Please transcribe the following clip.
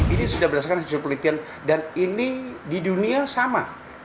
ini sudah berdasarkan hasil penelitian dan ini di dunia sama